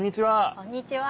こんにちは。